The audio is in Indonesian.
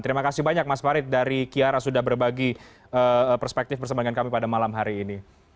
terima kasih banyak mas farid dari kiara sudah berbagi perspektif bersama dengan kami pada malam hari ini